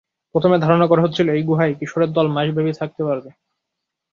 প্রথমে ধারণা করা হচ্ছিল, এই গুহায় কিশোরের দল মাসব্যাপী থাকতে পারবে।